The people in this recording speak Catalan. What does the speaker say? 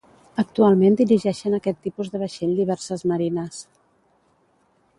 Actualment dirigeixen aquest tipus de vaixell diverses marines.